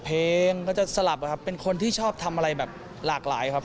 เพลงก็จะสลับครับเป็นคนที่ชอบทำอะไรแบบหลากหลายครับ